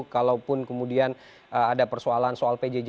kalaupun kemudian ada persoalan soal pjj